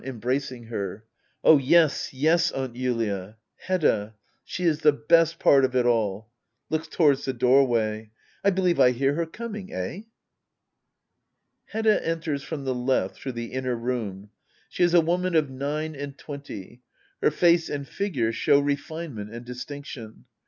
[Embracing her.'] Oh yes, yes. Aunt Julia Hedda — she is the best part of it all ! [Looks towards the doorway.'] I believe I hear her coming —eh? Hedda eiders from the left through the inner room. She is a woman of nine and twenty. Her face and figure show refinement and distiiiction.